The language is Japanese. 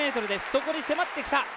そこに迫ってきた。